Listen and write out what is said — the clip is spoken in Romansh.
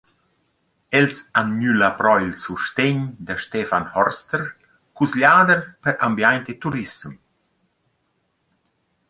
Els han gnü lapro il sustegn da Stefan Forster, cusgliader per ambiaint e turissem.